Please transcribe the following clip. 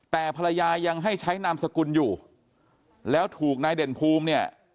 แต่ภรรยายังให้ใช้นามสกุลอยู่แล้วถูกนายเด่นภูมิเนี่ย